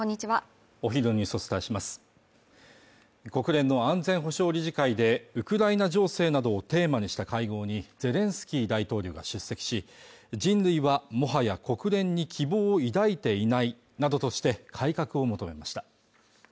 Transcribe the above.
お昼のニュースをお伝えします国連の安全保障理事会でウクライナ情勢などをテーマにした会合にゼレンスキー大統領が出席し人類はもはや国連に希望を抱いていないなどとして改革を求めました